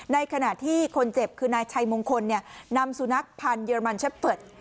ในขณะที่คนเจ็บคือนายชัยมงคลนำสุนัขพันธ์เรมันเชฟเฟิร์ต